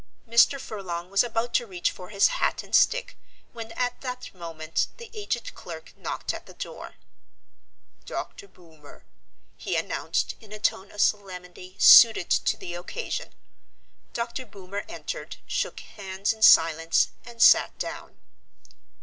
Mr. Furlong was about to reach for his hat and stick when at that moment the aged clerk knocked at the door. "Dr. Boomer," he announced in a tone of solemnity suited to the occasion. Dr. Boomer entered, shook hands in silence and sat down.